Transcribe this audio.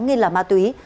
nghiên là ma túy